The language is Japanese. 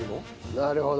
なるほど。